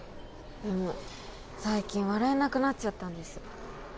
でも最近笑えなくなっちゃったんです。